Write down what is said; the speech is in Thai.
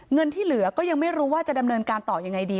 เงินที่เหลือก็ยังไม่รู้ว่าจะดำเนินการต่อยังไงดี